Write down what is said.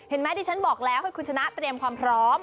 เห็นไหมที่ฉันบอกแล้วให้คุณชนะเตรียมความพร้อม